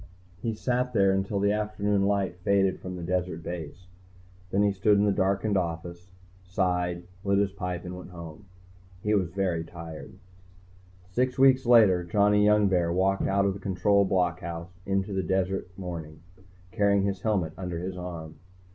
He sat there until the afternoon light faded from the desert base. Then he stood in the darkened office, sighed, lit his pipe and went home. He was very tired. Six weeks later, Johnny Youngbear walked out of the Control blockhouse into the cold desert morning, carrying his helmet under his arm.